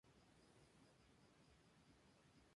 Duran desde el martes hasta el domingo.